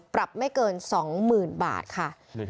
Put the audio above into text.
ปรับไม่เกิน๒๐๐๐๐บาทค่ะ